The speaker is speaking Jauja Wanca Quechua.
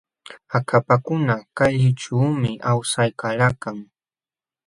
Akapakuna kallićhuumi awsaykalakan.